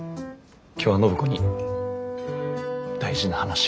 今日は暢子に大事な話が。